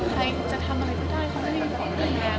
ใครจะทำอะไรก็ได้เค้าไม่ได้บอกแล้วแม่หรอก